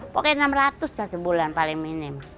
pokoknya enam ratus deh sebulan paling minim